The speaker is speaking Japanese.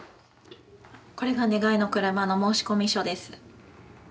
これが「願いのくるま」の申込書です。